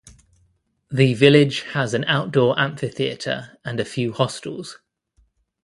The village has an outdoor amphitheater and a few hostels.